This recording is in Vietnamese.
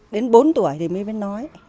đến bốn tuổi thì mới biết nói